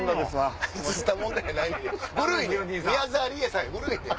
宮沢りえさんや。